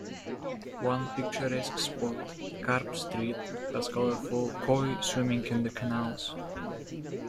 One picturesque spot, "Carp Street", has colorful "koi" swimming in the canals.